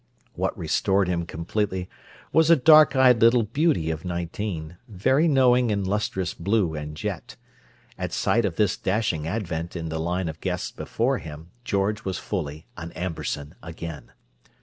What restored him completely was a dark eyed little beauty of nineteen, very knowing in lustrous blue and jet; at sight of this dashing advent in the line of guests before him, George was fully an Amberson again.